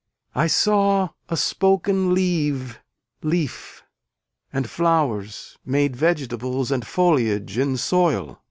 I saw a spoken leave leaf and flowers made vegetables and foliage in soil.